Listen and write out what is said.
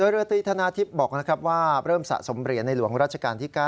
เรือตีธนาทิพย์บอกว่าเริ่มสะสมเหรียญในหลวงราชการที่๙